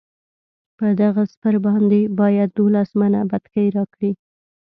په دغه سپر باندې باید دولس منه بتکۍ راکړي.